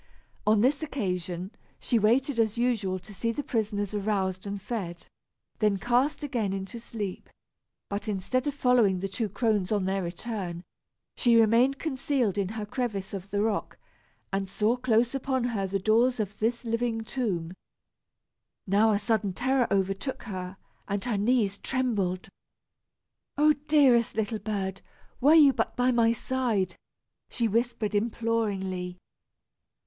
On this occasion, she waited as usual to see the prisoners aroused and fed, then cast again into sleep; but instead of following the two crones on their return, she remained concealed in her crevice of the rock, and saw close upon her the doors of this living tomb. Now a sudden terror overtook her, and her knees trembled. "Oh, dearest little bird, were you but by my side!" she whispered imploringly.